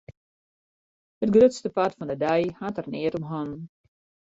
It grutste part fan de dei hat er neat om hannen.